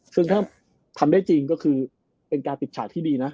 ซึ่งถ้าทำได้จริงก็คือเป็นการปิดฉากที่ดีนะ